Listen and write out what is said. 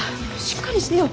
しっかりしてよ。